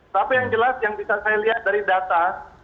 tapi yang jelas yang bisa saya lihat dari data